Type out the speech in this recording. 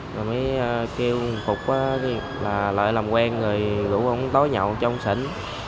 rồi mới kêu phục là lợi làm quen rồi rủ ông tối nhậu cho ông xỉn